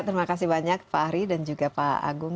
terima kasih banyak fahri dan juga pak agung